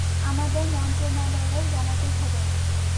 আমাদের মন্ত্রণালয়েও জানাতে হবে।